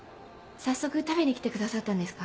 早速食べに来てくださったんですか？